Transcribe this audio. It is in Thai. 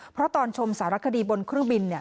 เพราะตอนชมสารคดีบนเครื่องบิน